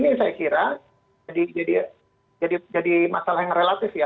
nah ini saya kira jadi jadi jadi jadi masalah yang relatif ya